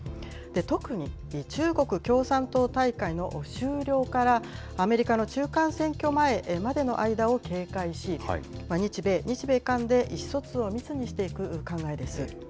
特に中国共産党大会の終了からアメリカの中間選挙前までの間を警戒し、日米、日米韓で意思疎通を密にしていく考えです。